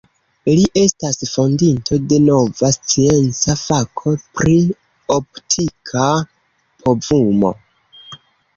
Li estas fondinto de nova scienca fako pri optika povumo.